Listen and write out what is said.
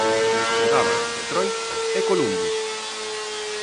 Xogaban Detroit e Columbus.